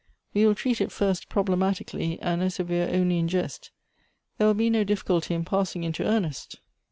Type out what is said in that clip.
We will treat it first problematically, and as if we were only in jest. There will be no difficulty in passing into earnest."